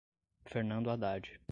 Fernando Haddad